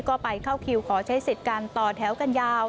ก็ไปเข้าคิวขอใช้สิทธิ์กันต่อแถวกันยาว